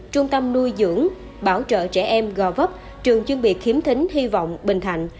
trung tâm nuôi dưỡng bảo trợ trẻ em gò vấp trường chuyên biệt khiếm thính hy vọng bình thạnh